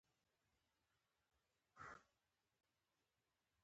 آیا د سویابین کښت نتیجه ورکړې؟